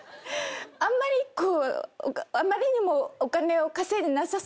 あんまりこうあまりにも。